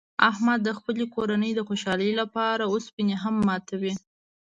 احمد د خپلې کورنۍ د خوشحالۍ لپاره اوسپنې هم ماتوي.